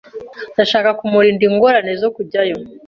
Ndashaka kumurinda ingorane zo kujyayo